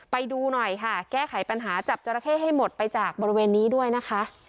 ไปดูหน่อยค่ะแก้ไขปัญหาจับจราเข้ให้หมดไปจากบริเวณนี้ด้วยนะคะ